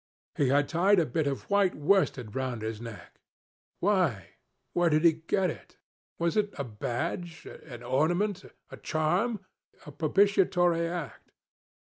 He had tied a bit of white worsted round his neck Why? Where did he get it? Was it a badge an ornament a charm a propitiatory act?